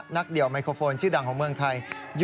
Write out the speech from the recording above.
เดี่ยวไมโครโฟนชื่อดังของเมืองไทย